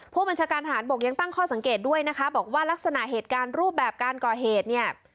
ผู้บัญชาการทหารบกยังตั้งข้อสังเกตด้วยนะคะบอกว่าลักษณะเหตุการณ์รูปแบบการก่อเหตุเนี่ย